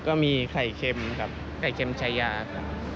ก็มีไข่เค็มกับไข่เค็มชายาครับ